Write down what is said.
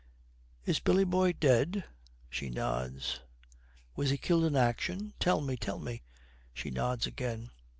'Is Billy boy dead?' She nods. 'Was he killed in action? Tell me, tell me!' She nods again.